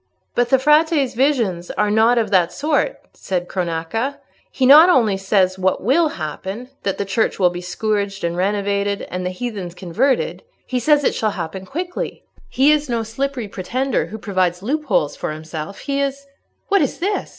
'" "But the Frate's visions are not of that sort," said Cronaca. "He not only says what will happen—that the Church will be scourged and renovated, and the heathens converted—he says it shall happen quickly. He is no slippery pretender who provides loopholes for himself, he is—" "What is this?